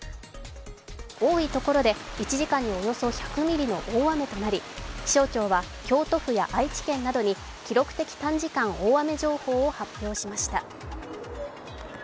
多いところで１時間におよそ１００ミリの大雨となり気象庁は京都府や愛知県などに記録的短時間大雨情報を発表しました。